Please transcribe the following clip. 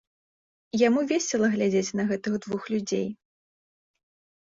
Яму весела глядзець на гэтых двух людзей.